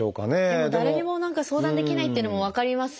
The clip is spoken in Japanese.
でも誰にも何か相談できないっていうのも分かりますよね。